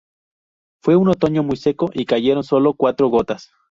Fue un otoño muy seco y cayeron solo cuatro gotas